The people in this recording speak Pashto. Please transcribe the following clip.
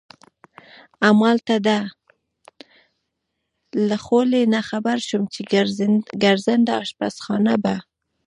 همالته د ده له خولې نه خبر شوم چې ګرځنده اشپزخانه به.